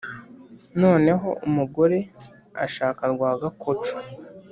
Noneho umugore ashaka rwagakoco,